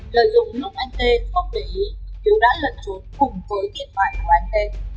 lợi dụng lúc anh t không để ý thiếu đã lật trốn cùng với điện thoại của anh t